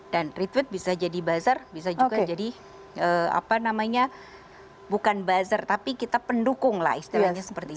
jadi itu bisa jadi yang besar bisa juga jadi apa namanya bukan buzzer tapi kita pendukung lah istilahnya seperti itu